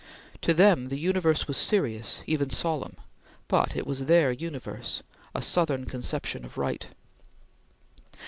To them the universe was serious, even solemn, but it was their universe, a Southern conception of right.